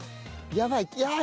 やばい！